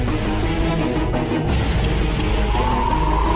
portalnya kebuka lagi